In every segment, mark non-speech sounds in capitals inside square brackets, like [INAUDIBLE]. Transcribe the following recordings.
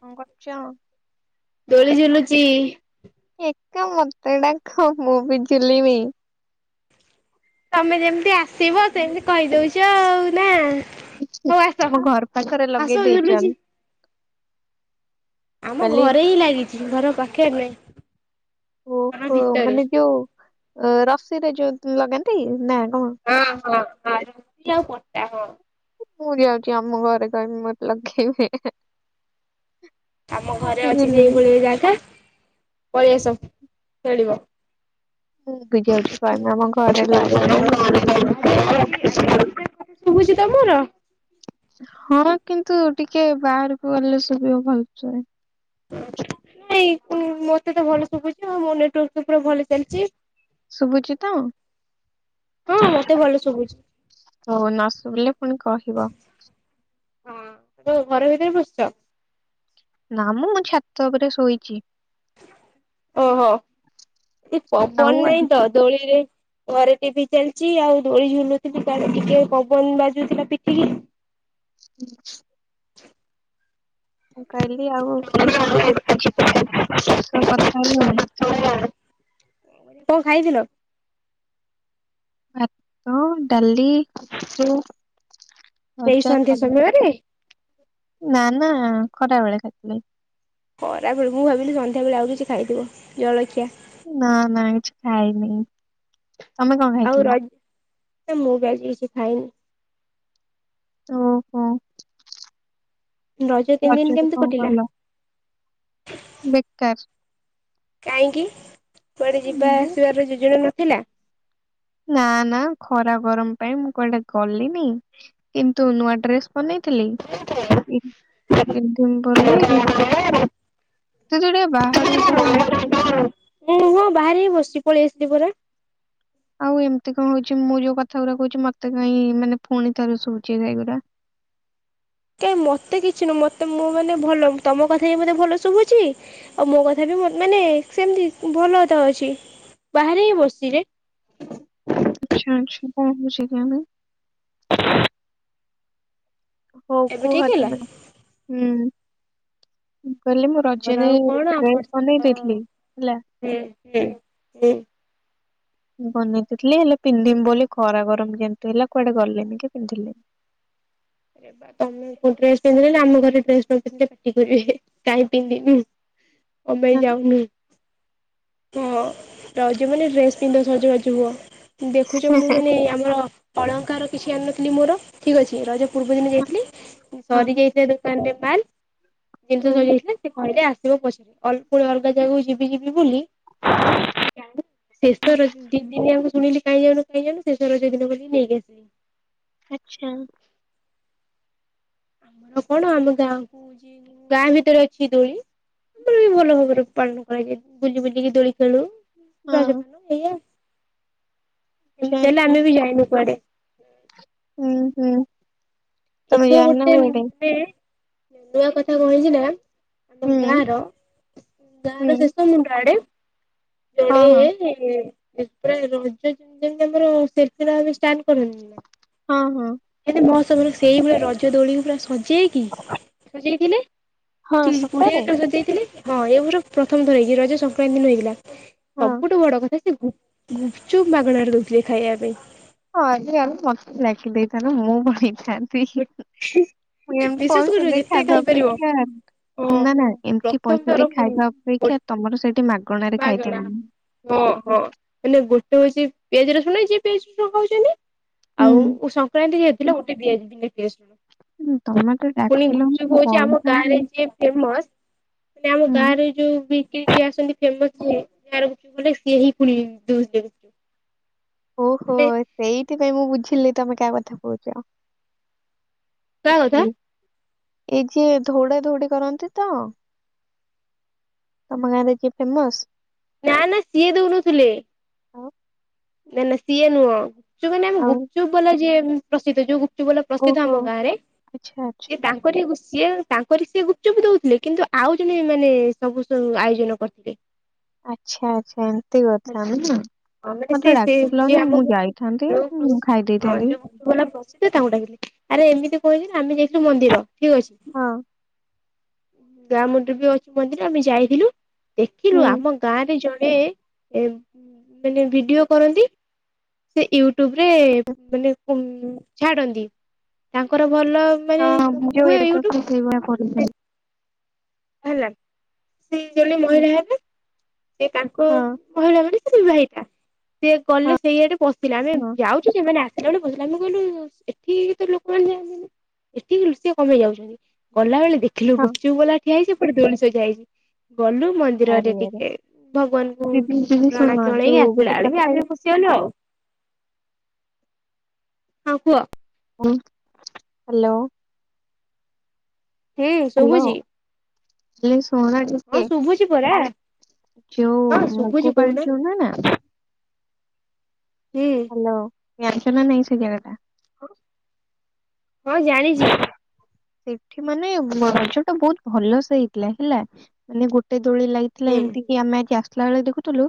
କଣ କରୁଛ ଜି ମତେ ଡାଖ ମୁଁ ଝୁଲିମି ତମେ ଯେମିତି ଆସିବ ସେମିତି କହିଦଉଛ ଆଉ ନା ହଉ ଆସ। ମୋ ଘର ପାଖରେ ଆସ ଲଗେଇ ଦେଇଛନ୍ ଝୁଲୁଚି। ଆମ ଘରେ ହିଁ ଲାଗିଛି ଘର ପାଖରେ ନାଇ ତା ପୁଅକୁ ଭିତରେ ମାନେ ଯୋଉ ଅ, ରସିରେ ଯୋଉ ଲଗାନ୍ତି ନା କଣ ହଁ ହଁ ଆ ର ପଟା ହ ମୁଁ ଯାଉଛି ଆମ ଘରେ କହିବି ମତେ ଲଖେଇବେ ଆମ ଘରେ ଅଛି ସେଇଭଳି ଜାଗା ପଳେଇ ଆସ ଖେଳିବ ମୁଁ ବି ଯାଉଚି କହିବି ଆମ ଘରେ ଲଗେଇବେ ମୁଁ ଶୁଭୁଛି ତମର? ହଁ କିନ୍ତୁ ଟିକେ ବାହାରକୁ ଗଲେ ସବେ ଭଲସେ। ନାଇଁ ମତେ ତ ଭଲ ଶୁଭୁଛି ମୋ ନେଟାର୍କ ପୁରା ଭଲ ଚାଲିଛି। ଶୁଭୁଛି ତ ହଉ ହଁ ମତେ ଭଲ ଶୁଭୁଛି ନ ଶୁଭିଲେ ପୁଣି କହିବ, ହଁ ଘର ଭିତରେ ବସିଛ? ନା ମୁଁ ମୋ ଛାତ ଉପରେ ଶୋଇଛି। ଓହୋ ଏ ପବନ ଆଉ ଆଜି ନାଇଁ ଦୋଳିରେ ଘରେ ଟିଭି ଚାଲିଛି ଆଉ ଦୋଳି ଝୁଲୁଥିଲି ତା ଟିକେ ପବନ ବାଜୁଥିଲା ପିଠିକି। [UNINTELLIGIBLE] ମୁଁ କହିଲି ଆଉ ଆଜି କେତେ ସବୁ କଥା ହେଲାଣି? କଣ ଖାଇଥିଲ? ଭତ, ଡାଲି, ତୁ? ଏଇ ସନ୍ଧ୍ୟା ସମୟରେ? ନା ନା ଖରା ବେଳେ ଖାଇଥିଲି। ଖରାବେଳ ମୁଁ ଖାଇଥିଲି ସନ୍ଧ୍ୟା ବେଳେ ଆଉ କିଛି ଖାଇଥିବ ଜଳଖିଆ। ନା ନା କିଛି ଖାଇ ନାଇଁ। ତମେ କଣ ଆଉ ଖାଇଥିଲ? ରଜ ନା ମୁଁ ବି ଆଜି କିଛି ଖାଇନି। ଓହୋ। ରଜ ତିନି ଦିନି ରଜରେ କେମିତି କଣ କଟିଲା? କଲ ବେକାର। କାହିଁକି? କୁଆଡେ ଯିବା ମୁଁ ଆସିବାର ଯୋଜନା ନ ଥିଲା। ନା ନା ଖରା ଗରମ ପାଇଁ ମୁଁ କୁଆଡେ ଗଲିନି କିନ୍ତୁ ନୂଆ ଡ୍ରେସ ବନେଇଥିଲି ପି ପିନ୍ଧିବି ବୋଲି [UNINTELLIGIBLE] ବାହାରାରୁକୁ ଯାଅ ଉଁ ହୁଁ ବାହାରିକି ବସିଛି ପଳେଇ ଆସିଲି ପରା। ଆଉ ଏମିତି କଣ ହଉଛି ମୁଁ ଯୋଉ କଥା ଗୁଡା କହୁଛି ମତେ କହିଁ ମାନେ ପୁଣି ଥରେ ଶୁବୁଛି ଏଗୁଡା। କାଇଁ ମୋତେ କିଛି ନୁହଁ ମତେ ମୁଁ ମାନେ ଭଲ ତମ କଥା ହି ମତେ ଭଲ ଶୁଭୁଛି ଆଉ ମୋ କଥା ବି ମାନେ ସେମିତି ଭଲ ତ ଅଛି ବାହାରେ ହିଁ ବସିଚି ରେ। ଆଚ୍ଛା ଆଚ୍ଛା କଣ ହଉଛି କେଜାଣି। ହଉ ଏବେ କୁହ ଠିକ ତୁ ହେଲା। ମ ହୁଁ ମୁଁ କହିଲି ମୁଁ ଆମର ରଜରେ ଆଉ କଣ ଡ୍ରେସ୍ ଆମରତ ବନେଇ ଦେଇଥିଲି ହେଲା [UNINTELLIGIBLE] ବନେଇ ଦେଇଥିଲି ହେଲେ ପିନ୍ଧିବି ବୋଲି ଖରା ଗରମ ଯେମତି ହେଲା କୁଆଡେ ଗଲେନି କି ପିନ୍ଧିଲିନି। ବା ତମେ କୋଉ ଡ୍ରେସ ପିନ୍ଧିଲ ଆମ ଘରେ ଡ୍ରେସ ନ ପିନ୍ଧିଲ ପାଟି କରିବେ କାହିଁ ପିନ୍ଧିନୁ। କ ପାଇ ହଁ ଯାଉନୁ। ହଁ ରଜମାନେ ଡ୍ରେସ ପିନ୍ଧ ସଜବାଜ ହୁଅ। ଦେଖୁଛ ମୁଁ ମାନେ ଆମର ଅଳଙ୍କାର କିଛି ଆଣିନଥିଲି ମୋର ଠିକ ଅଛି ରଜ। ପୂର୍ବ ଦିନ ଆଚ୍ଛା। ଯାଇଥିଲି। ସରି ଯାଇଥିଲେ ଦୋକାନରେ ମାଲ। ଜିନିଷ ହଁ ସଜେଇଥିଲେ ସେ କହିଲେ ଆସ। ପଛିଲି ପୁଣି ଅଲଗା ଜାଗାକୁ ଯିବି ଯିବି ବୋଲି ଶେଷ ରଜ ଦି ଦିନିଆଙ୍କ ଶୁଣିଲି କାଇଁ ଯାଉନ କାଇଁ ଯାଉନ ଶେଷ ରଜ ଦିନ ଗଲି ନେଇକି ଆସିଲି। ଆଚ୍ଛା। ଆଉ କଣ ଆମଗାଁକୁ ଗାଁ ଭିତରେ ଅଛି ଦୋଳି ବହୁତି ଭଲ ଭାବରେ ପାଳନ କରାଯାଏ ବୁଲି ବୁଲିକି ଦୋଳି ଖେଳୁ। ରଜପାନ ଏଇଆ। ଆଚ୍ଛା ଆମେ ବି ଯାଇନୁ କୁଆଡେ। ହୁଁ ହୁଁ ହୁଁ। ତମେ ଏଥର ଯାଇନ ଗୋଟେ କୁଆଡେ ମାନେ। ନୂଆ କଥା କହିଛି ନା। ଆମ ହୁଁ ଗାଁ ର ଗାଁ ହୁଁ ର ଶେଷ ମୁଣ୍ଡ ଆଡେ। ହଁ ଜଣେ। ହଁ ଏପା ରଜତି ଯେମିତି ଆମର ଭା [INAUDIBLE] ହଁ ହଁ ସବ [INAUDIBLE] ସେଇଭଳିଆ ରଜ ଦୋଳି ପୁରା ସଜ। କିଥିଲେ [INAUDIBLE] ହଁ ଚିଜ ସତରେ ବଢିଆସେ ଦେଇଦେଲି। ହଁ ଏଭର ପ୍ରଥମ ଥର ହେଇକି ରଜ ସଂକ୍ରାନ୍ତି ଦିନ ହେଇକି। ହଁ ସବୁଠୁ ବଡ କଥା। ଗୁପଚୁପ ମାଗଣାରେ ଦଉଥିଲେ ଖାଇବା ପାଇଁ। ହଁ ଏଇ ଗଲା ମତେ ଲେଖି ଦେଇଥାାନ ମୁଁ ଭଣି [INAUDIBLE] ବିଶେଷ ଏମତି ପଇସା କରି ଦେଇ ଯେତେ ଖାଇବା ଖାଇପାରିବ ଅପେକ୍ଷା ହଁ ନା ନା ଏମିତି ପ୍ରଥମ ପଇସା ଦେଇ ଖାଇବା ଅପେକ୍ଷା ତମର ସେଇଠି ମାଗ। ବାଗଡ଼ ହଁ ହଁ। ଗୋଟେ ହଉଛି ପିଆଜ ରସୁଣ ହେଇଚି ପିଆଜ ରସୁଣ ଖାଉଛନ୍ତି। ହୁଁ। ଆଉ ସଂକ୍ରାନ୍ତି ଯେହେତୁ। ଗୋଟେ ଦିଆଯିବ। ହୁଁ, ତମେ ତ ପୁଣି ଡାକିଲ ଗୁପ୍ ଚୁପ୍ ମୁଁ ହଉଚି ଆମ ପଳେଇଥାନ୍ତି ଗାଁର ଫେମସ । ମାନେ ଆମ ଗାଁ ହୁଁ ରରେ ଯୋଉ ବିକ୍ରି ଯିଏ ଆସନ୍ତି। ହାରକୁାନ ସିଏ ହିଁ ପୁଣି ଦଉ [INAUDIBLE] ଓହୋ ସେଇଥିପାଇଁ ମୁଁ ବୁଝିି ଥିଲି ତମେ କାହା କଥା କହୁଛ। କା କଥା। ବୁଝିଲି ଏଇ ଯିଏ ଧଉଡା ଧୌଡି କରନ୍ତି ତ ତମ ଗାଁରେ ଯିଏ ଫେମସ। ନା ନା ସିଏ ଦଉନଥିଲେ। ଆଉ ନା ନା ସିଏ ନୁହ। ଗୁପଚୁ ମାନେ ଆମ ଆଉ ଗୁପଚୁପ ବାଲା ଯିଏ। ପ୍ରସିଦ୍ଧ ଯଉ ଗୁ ଚୁପ ବାଲା ପ୍ରସିଦ୍ଧ ଓହୋ ଆମ ଗାଁରେ ଆଚ୍ଛା ଆଚ୍ଛା ସିଏ ତାଙ୍କରି ଗୁ ସିଏ ତାଙ୍କରି ସିଏ ଗୁପଚୁପ ଦଉଥିଲେ କିନ୍ତୁ ଆଉ ଜଣେ ମାନେ ସବୁୁ ଆୟୋଜନ କରିଥିଲେ। ଆଚ୍ଛା ଆଚ୍ଛା ଏମତି କଥା ହେଲା ନା। ମାନେ ସେ ସେ ଯିଏ ଡାକିଲନି ଆମ ମୁଁ ଯାଇଥାନ୍ତି ଯୋଉ ଯୋଉ ମୁଁ ପ୍ରସି ଖାଇ ହଁ ଦେଇଥାନ୍ତି ଯୋଉ ଗୁପଚୁପ ବାଲା ପ୍ରସିଦ୍ଧ ତାଙ୍କୁ ଡାକିଥିଲେ। ଆରେ ଏମିତି ଙ୍କ ହେଇଚି ନା ଆମେ ଯାଇଥିଲୁ ମନ୍ଦିର। ଠିକ୍ ଅଛି। ହଁ ଗାଁ ମୁଣ୍ଡରେ ବି ଅଛି ମନ୍ଦିର ଆମେ ଯାଇଥିଲୁ। ଦେଖିଲୁ ହୁଁ ଆମ ଗାଁ ରେ ଏ ମାନେ ଭିଡିଓ। କରନ୍ତି ସେ ୟୁଟ୍ୟୁବ ରେ ମାନେ ଉମ ଛାଡନ୍ତି ତାଙ୍କର ଭଲ ମାନେ ହଁ ମୁଁ ଯୋଉ ହୁଏ ଏଇଟା ତ ୟୁଟ୍ୟୁବ ସେଇଭଳିଆ କରୁଛନ୍ତି ସେ ହେଲା। ସେ ଜଣେ ହୁଁ ମହିଳା ହେବେ। ସେ ତାଙ୍କ ହଁ ମହିଳା ମାନେ ସେ ବିବାହି ତା। ସିଏ ଗଲେ ହଁ ସେଇଆଡେ ବସିଲା ଆମେ ହଁ ଯାଉଛୁ ସେମାନେ ଆସିଲା ବେଳୁକୁ [UNINTELLIGIBLE] ଗଲୁ ଏଠି ତ ଲୋକମାନେ ଯାଆନ୍ତିନି ଏଠି ଲୁସିଆ ଙ୍କ ପାଇଁ ଯାଉଛନ୍ତି ଗଲାବେଳେ ଦେଖିଲୁ ହଁ ଗୁପଚୁପ ବାଲା ଠିଆ ହେଇଚି ଏପଟେ [UNINTELLIGIBLE] ଯାଇଚି। ଗଲୁ ମନ୍ଦିରରେ ଆରେ ଆରେ ଟିକେ ଭଗବାନଙ୍କୁ ଦିଦି ଦିଦି ଶୁଣ ପ୍ରଣାମ ହଁ ଜଣେଇକି ଯୋଉ ଗୋଟେ ଆସିଲା ବେଳକୁ କଥା ଆମେ ଖୁସି ହେଲୁ ଆଉ। ହଁ କୁହ। ହାଲୋ। ହୁଁ ଶୁଭୁଚି। [UNINTELLIGIBLE] ହଁ ଶୁଭୁଛି ପରା। ଯଉ ହଁ ଶୁଭୁଛି ମୁଗ କହୁନା [UNINTELLIGIBLE] ହୁଁ ହାଲୋ। ଜାଣିଚ ନା ନାଇଁ ସେ ଜାଗାଟା? ହଁ। ହଁ ଜାଣିଚି। ସେଠି ମାନେ ରଜ ଟା ବହୁତ ଭଲସେ ହେଇଥିଲା ହେଲା ମାନେ ଗୋଟେ ଦୋଳି ଲାଗିଥିଲା ହୁଁ ଏମତିି କି ଆମେ ଥିଲା ବେଳେ ଦେଖୁଥୁଲୁ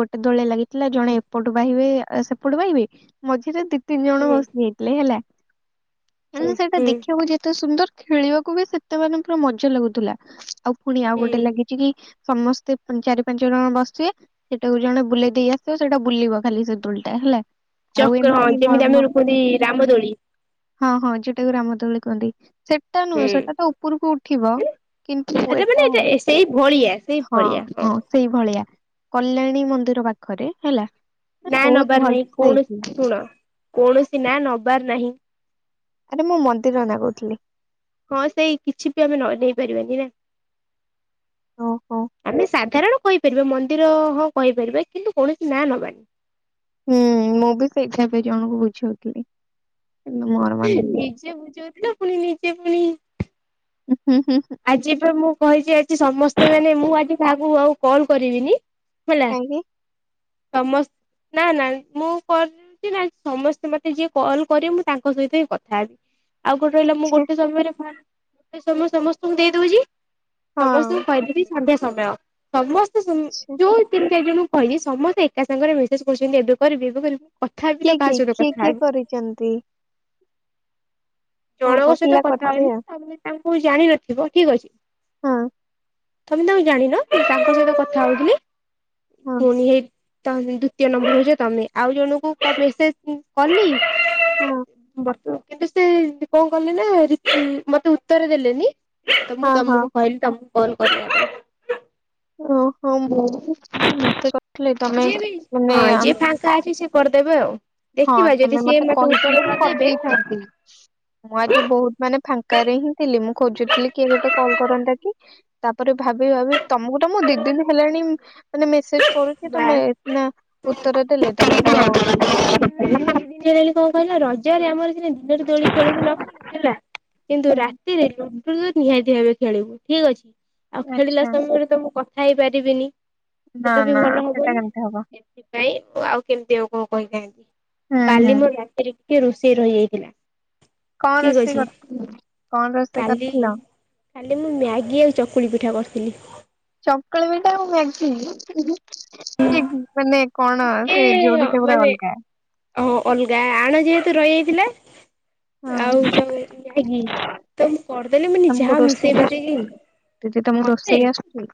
ଗୋଟେ ଦୋଳି ଲାଗି ଥିଲା ଜଣେ ଏପଟୁ ବାହିବେ ସେପଟେ ବାହିବେ ମଝିରେ ଦି ତିନି ଜଣ ହୁଁ ବସି ଯାଇଥିଲେ ହେଲା। ହୁଁ ହେଲେ ସେଇଟା ହୁଁ ଦେଖିବାକୁ ଯେ ସୁନ୍ଦର ଖେଳିବାକୁ ବି ସେତେ ମାନେ ପୁରା ମଜା ଲାଗୁଥିଲା। ଆଉ ପୁଣି ଆଉ ହୁଁ ଗୋଟେ ଲାଗିଚି କି ସମସ୍ତେ ଚାରି ପାଞ୍ଚ ଜଣ ବସିବେ ସେଟାକୁ ଜଣେ ବୁଲେଇ ଦେଇ ଆସିବ ସେଇଟା ବୁଲିବ ଖାଲି ସେ ଦୋଳିଟା ହେଲା। ଆଉ ଚକ୍ର ଏମିତି ଯେମିତି ନର୍ମ ଆମେ ରୁଖନ୍ତି ରାମଦୋଳି ହଁ ହଁ ଯୋଉଟା କୁ ରାମ ଦୋଳି କହନ୍ତି। ସେଟା ନୁହେଁ ହୁଁ ସେଟା ତ ଉପରକୁ ଉଠିବ କିନ୍ତୁ ମାନେ ଏଟା ହଁ ସେଇ ଭଳିଆ ସେଇ ଭଳିଆ ହଁ ସେଇଭଳିଆ। କଲ୍ୟାଣୀ ମନ୍ଦିର ପାଖରେ ହେଲା। ମାନେ ନାଁ ବହୁତ ନବାର ନାହିଁ ଭଲସେ ହେଇଥିଲା। କୌଣସି ଶୁଣ କୌଣସି ନାଁ ନବାର ନାହିଁ। ଆବେ ମୁଁ ମନ୍ଦିର ନନାଙ୍କୁ କହୁଥିଲି। ହଁ ସେଇ କିଛି ବି ଆମେ ନାଁ ନେଇ ପାରିବାକି ଓହୋ ନାହିଁ। ଆମେ ସାଧାରଣ କହିପାରିବେ ମନ୍ଦିର ହଁ କହିପାରିବେ କିନ୍ତୁ କୌଣସି ନାଁ ନବାନି। ହୁଁ ମୁଁ ବି ସେଇଟା ଏବେ ଜଣଙ୍କୁ ବୁଝୋଉଥିଲି। ନିଜେ ବୁଝଉଥିଲା ପୁଣି ନିଜେ ସିଏ ପୁଣି ହୁଁ। ହୁଁ ଆଜି ପା ମୁଁ କହିଚି ଆଜି ସମସ୍ତେ ମାନେ ମୁଁ ଆଜି କାହାକୁ ଆଉ କଲ କରିବିନି। ହେଲା ଚାଙ୍ଗି ସମସ୍ତ ନା ନା ମୁଁ କରିଚି ନା ନାଇଁ ସମସ୍ତେ ମତେ ଯିଏ କଲ କରିବେ ମୁଁ ତାଙ୍କ ସହିତ ହିଁ କଥା ହେବି। ଆଉ ଗୋଟେ ରହିଲା ମୁଁ ଆଚ୍ଛା ଗୋଟେ ସମୟରେ ମେ ସମ ସମସ୍ତ ତମ ଦେଇ ଦଉଚି ହଁ ସମସ୍ତଙ୍କୁ କହିଦେବି। [UNINTELLIGIBLE] ସମୟ ସମସ୍ତେ ଆଚ୍ଛା ଯୋଉ ତିନି ଚାରି ଜଣ କହିନି ସମସ୍ତେ ଏକା ସାଙ୍ଗରେ ମେସେଜ୍ କରୁଛନ୍ତି, ଏବେ କରିବେ ଏବେ କରିବୁ। କିଏ କି କିଏ କିଏ କରିଛନ୍ତି? ଓହୋ ଜଣଙ୍କ ସହିତ ପିଲା କଥା ହେଲି କରିଥିବେ ତାପରେ ହଉ ଜାଣିନଥିବ ଠିକ ଅଛି। ହଁ। ତମେ ତାଙ୍କୁ ଜାଣିନ କି ତାଙ୍କ ସହିତ କଥା ହଉଥିଲି। ହଁ ପୁଣି ହେ ତ ଦ୍ଵିତୀୟ ନମ୍ବର ହଉଛ ତମେ ଆଉ ଜଣଙ୍କୁ ମେସେଜ କଲି। ହଁ। କିନ୍ତୁ ସେ କଣ କଲେ ଯେ ରୀତି ମତେ ଉତ୍ତର ଦେଲେନି? ତ ମୁଁ ହଁ ହଁ। ତମକୁ କହିଲି ତମକୁ। କଲ୍ କର। ଓ ହଁ ମୁଁ କହିଥିଲେ ତମେ ଯଏ ବି ମାନେ ହଁ ଆମ୍ ଯିଏ ଫାଙ୍କା ଅଛି ସେ କରି ଦେବେ ଆଉ। ହଁ ଦେଖିବା ଯଦି ତମେ ସିଏ ମତେ ଉତ୍ତର କହିଥିଲେ ମୁଁ ନଦେବେ କରିଦେଇଥାନ୍ତି, ମୁଁ ଆଜି ବହୁତ ମାନେ ଫାଙ୍କାରେ ହିଁ ଥିଲି ମୁଁ ଖୋଜୁଥିଲି କିଏ ଗୋଟେ କଲ କରନ୍ତା କି ତାପରେ ଭାବି ଭାବି ତମକୁ ମୁଁ ଦି ଦିନ ହେଲାଣି ମାନ ମେସେଜ କରୁଛି ତମେ ବାସ୍ ସିନା ଉତ୍ତର ଦେଲେ? ତମେ ତ କଣ କହିଲ ରଜରେ ହୁଁ ଆମର ତ ଦିନରେ ଦୋଳି ଖେଳୁକି ନଖେଳୁ ହେଲା କିନ୍ତୁ ରାତିରେ ନିହାତି ଭବେ ଖେଳିବୁ ଠିକ ଅଛି। ଆଉ ଖେଳିଲା ଆଚ୍ଛା ସମୟରେ ତମ ଖାଇପାରିବିନି। ନା ସେ ତ ବି ନା ଭଲ ସେଟା ହବନି ନା କେମିତି ହବ ସେଥିପାଇଁ ଆଉ। [UNINTELLIGIBLE] ହୁଁ କାଲି ହୁଁ ମୁଁ ରାତିରେ ଟିକେ ରୋଷେଇ ରହିଯାଇଥିଲା। କଣ ଠିକ୍ ରୋଷେଇ ଅଛି କରିଥିଲି କଣ ରୋଷେଇ କରିଥିଲ । ତାାଲେ ମୁଁ ମ୍ୟାଗି ଆଉ ଚକୁଳି ପିଠା କରିଥିଲି। ଚକୁଳି ପିଠା ଆଉ ମ୍ୟାଗି। ସେ ମାନେ କଣ ଏ ସେ ଯୋଡି ତମର ମାନେ ଅଲଗା। ରହିଯାଇଥିଲେ। ହଁ ଆଉ ଜଉ [UNINTELLIGIBLE] କରିଦେଲେ ମାନ ତମକୁ ଯାହା ରୋଷେଇ ମିଶେଇ ମାସେଇକି ଆସୁଛି? ଦିଦି ତମକୁ ମତେ ରୋଷେଇ ଆସୁଛି?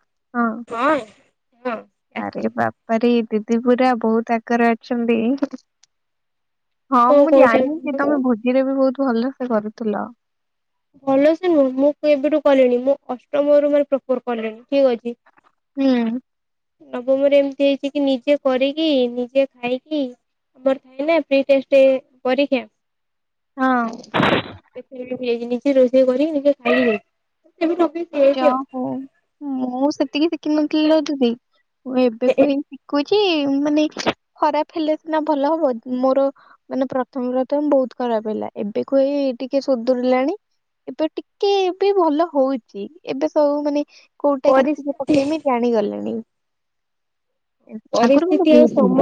ହଁ ହଁ। ଆସ୍ ଇରେ ବାପ ପରେ ଦିଦି ପୁରା ବହୁତ ଆଗରେ ଅଛନ୍ତି ହଁ ମୁଁ କହୁଛ ଜାଣିଛି ମୁଁ ତମେ ଭୋଜିରେ ବି ବହୁତ ଭଲ ସେେ କରୁଥିଲ ଭଲ ସେ ନୁହଁ ମୁଁ କେବେଠୁ କଲିଣି ମୁଁ ଅଷ୍ଟମରୁ ମେ ପ୍ରପର ପ ଠିକ ଅଛି ହୁଁ ନବମରେ ଏମିତି ହେଇଛି କି ନିଜେ କରିକି ନିଜେ ଖାଇକି ଆମର ଥାଏ ନା ପ୍ରି ଟେଷ୍ଟ ପରୀକ୍ଷା ହଁ ପଜିନି ରୋଷେଇ କରି ନିଜେ ଖାଇଲେ ଯା ହଉ ମୁଁ ସେତିକି ଶିଖିନଥିଲିଲ ଦିଦି ମୁଁ ଏବେ ଏ କ ଏ ହେଇ କୁ ଯେ ମାନେ ଖରାପ ହେଲେ ସିନା ଭଲ ହବ ମୋର ମାନେ ପ୍ରଥମେ ପ୍ରଥମେ ବହୁତ ଖରାପ ହେଲା ଏବେକୁ ହେଇ ଟିକେ ସୁଧୁରିଲାଣି ଏବେ ଟିକେ ବି ଭଲ ହଉ ଠି ଏବେ ସବୁ ମାନେ କୋଉଟା କେତିେ ପରିସ୍ଥିତି ପକେଇମି ଜାଣିଗଲେଣି ପରିସ୍ଥିତି ଆଉ ବହୁତ ହୁଏ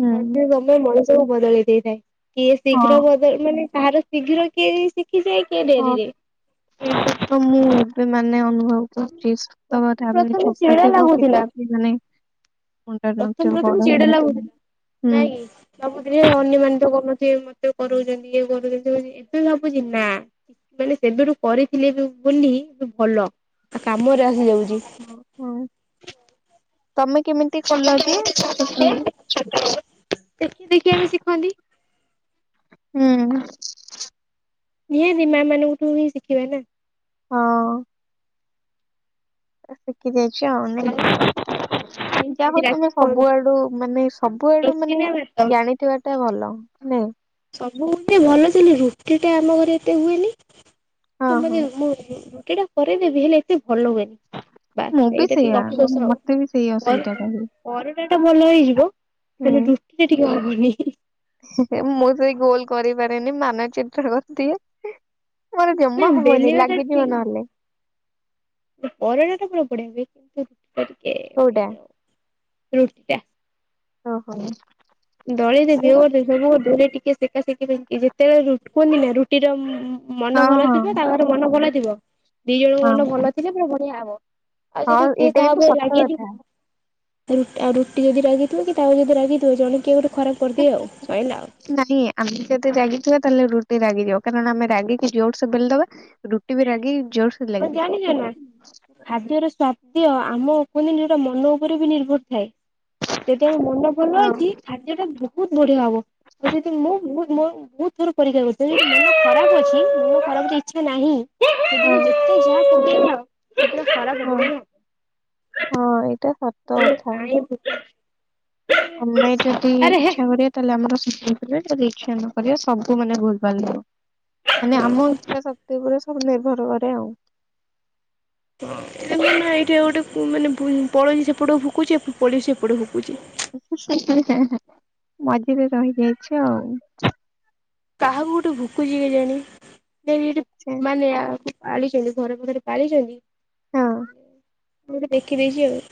ହୁଁ। ସମୟ ମଣିଷ ସବୁ ବଦଳେଇ ଦେଇଥାଏ କିଏ ଶୀଘ୍ର ହଁ। ବଦଳ ମାନେ ତାହାର ଶୀଘ୍ର କିଏ ଶିଖିଯାଏ କିଏ ହଁ ଡେରିରେ। ଏ ତ ମୁଁ ଏବେ ମାନେ ଅନ ସତ ପ୍ରଥମେ କଥା ମାନ ପ୍ରଥମେ ଛୋଟ ଚିଡା ଥିବ ଲାଗୁଥିଲା କିଛି ମାନେ ମୁଣ୍ଡରେ ପ୍ରଥମେ ନଥିବ ପ୍ରଥମେ ବଡ ଚିଡା ଲାଗୁଥିଲା ନାଇଁ କି? ଭାବୁଥିଲି ଅନ୍ୟମାନେ ତ ମତେ କରୁନଥିବେ କରାଉଛନ୍ତି ଇଏ କରୁଛନ୍ତି ଏବେ ଭାବୁଛି ନା ମାନେ ସେବେଠୁ କରିଥିଲେ ବି ବୋଲି ଭଲ କା ମୋର ରହିଯାଉଛି ଓହୋ ହୁଁ ତମେ କେମିତି କଲ ଯେ ଛୋଟ ବେଳୁ ଦେଖି ଦେଖି ଆମେ ଶିଖନ୍ତି ହୁଁ ନିହାତି ମା ମାନଙ୍କଠୁ ହିଁ ଶିଖିବା ନା। ହଁ ଆ କି [INAUDIBLE] ଯାହା ହଉ ଆଉ ଆଜି ତମେ ରାତିରେ କଣ ସବୁଆଡୁ ମାନେ ସବୁଆଡୁ ରୁଟି ମାନେ ନା ଭାତ ଜାଣିଥିବା ଟା ଭଲ ନାଇଁ ସବୁ ରୁଟି ଭଲ ଥିଲ ରୁଟି ଟା ଆମ ଘରେ ଏତେ ହୁଏନି। ହଁ ତୁମ ହଁ। ଦିନ [INAUDIBLE] ସେଟା କରେଇଦେବି ହେଲେ ଏତେ ଭଲ ହୁଏନି ମୁଁ ବାସ୍ ବି ଏଇଟା ଟିକେ ସେଇଆ ଅପସୋସ ଆଉ ମତେ ବି ସେଇ ଅସୁବିଧା ଟା ହୁଏ। ପରଟା ଟା ଭଲ ହେଇଯିବ। ହେଲେ ହୁଁ ରୁଟି ଟା ଟିକେ ଘୁନ [INAUDIBLE] ମୁଁ ସେ ଗୋଲ କରିପାରେନି ମାନଚିତ୍ର କରିଦିଏ। ମୋର ଜମା ନା ହବନି ବେଲିବା ଟା ଠ ଲାଗିଯିବ ନହେଲେ ପରଟା ଟା ପୁରା ବଢିଆ କରେ। କୋଉଟା [INAUDIBLE] [INAUDIBLE] ରୁଟି ଟା। ଓ ହୋ। ଦଳି ଦେବି ଇଏ କରିଦେବି ସବୁ କରିଦେବି ହେଲେ ଟି ସୋ ସେକି ଯେତେବେଳେ ରୁ କୁହନ୍ତିି ନା ରୁଟି ଟା ମୁଁ ମନ ହଁ ଭଲ ହଁ ଥିବ ତା ଘରେ ମନ ଭଲ ଥିବ ଦି ଜଣଙ୍କ ମନ ହଁ। ଭଲ ଥିଲେ ପୁରା ବଢିଆ ହବ। ଆଛା ହଁ ଯଦି କିଏ ଏଇଟା କାହା କିନ୍ତୁ ଉପରେ ସତ ରାଗି କଥା ଥିବା ଆଉ ରୁଟି ଯଦି ରାଗିଥିବ କି ତାକୁ ଯଦି ରାଗିଥିବେ ଜଣ କେଉଁଠୁ? ନାଇଁ ଆମେ ଯାଦି ଯାଗି ଥିବା ତାହେଲେ ରୁଟି ରାଗିଯିବ କାରଣ ଆମେ ରାଗିକି ଜୋର ସେ ବେଳି ଦବା ରୁଟି ବି ରାଗି ଜୋର ସେ ଆପଣ ଲାଗିବ। ଦିଅ ଆମ ଅପ ନିଟା ମନ ଉପରେ ବି ନିର୍ଭର ଥାଏ। ଯଦି ଆମ ମନ ଭଲ ହଁ ଅଛି ଖାଦ୍ୟ ଟା ବହୁତ ବଢିଆ ହବ। ଆଉ ସେ ମୁଁ ବ ବହୁତ ଥର ପରୀକ୍ଷା କରିଛି ମୁଁ ଖରାପ ଅଛି ମୁୋ ଖରାପ ଇଚ୍ଛା ନାହିଁ। ିନ ହଁ ଯେତେ ଯାହା [INAUDIBLE] [INAUDIBLE] ହଁ ହଁ ଏଇଟା [INAUDIBLE] ସତ କଥା ନାଇଁ ଆମେ ଯଦି ଆରେ ହେ ଇଚ୍ଛା କରିବା ତାହେଲେ ଆମର ଯଦି ଇଚ୍ଛା ନ କରିବା ସବୁ ମାନେ ଭୁଲ ଭାଲ ହବ। ମାନେ ଆମ ଇଛା ଶକ୍ତି ପରେ ସବୁ ନିର୍ଭର କରେ ଆଉ। [UNINTELLIGIBLE] ନା ଏଇଠି ଆଉ ଗୋଟେ କୁ-ମାନେ ଭୁ-ପଳୋଇଶୀ ସେପଟକୁ ଭୁକୁଚି ପଲେସୀ ଏପଟେ ଭୁକୁଚି । ହେଁ ହେଁ ମଝିରେ ରହିଯାଇଛ ଆଉ। କାହାକୁ ଗୋଟେ ଭୁକୁଚି କେଜାଣି? ଯାଇ ସେଇଟି ସେ ମ୍-ମାନେ ଆ ପାଳିଚନ୍ତି ଘର ପାଖରେ ପାଳିଚନ୍ତି। ହଁ। ହୁଁ । ମୁଁ ବି ଦେଖି ଦେଇଚି ଆଉ